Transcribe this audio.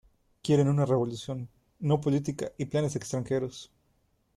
Quieren una revolución, no política y planes extranjeros.